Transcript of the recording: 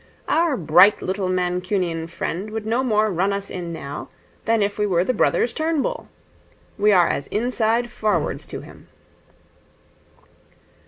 Our bright little Mancunian friend would no more run us in now than if we were the brothers Turnbull. We are as inside forwards to him.'